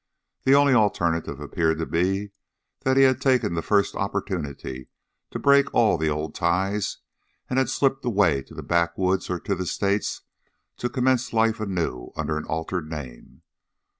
The only alternative appeared to be that he had taken the first opportunity to break all the old ties, and had slipped away to the backwoods or to the States to commence life anew under an altered name.